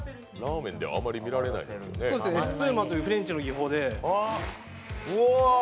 エスプーマというフレンチの技法で。